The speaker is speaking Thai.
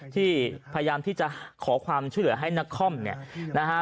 ที่พยายามที่จะขอความช่วยเหลือให้นักคอมเนี่ยนะฮะ